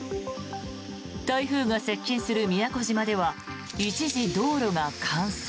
台風が接近する宮古島では一時、道路が冠水。